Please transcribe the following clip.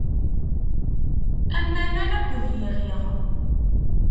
Am aman, akked yiɣi.